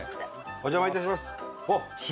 お邪魔いたします。